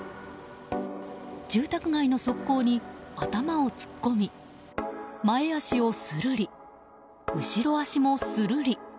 住宅街の側溝に頭を突っ込み前脚をするり後ろ脚もするり。